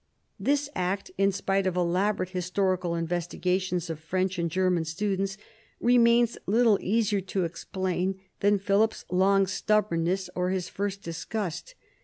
This act, in spite of elaborate historical investigations of French and German students, remains little easier to explain than Philip's long stubbornness or his first disgust.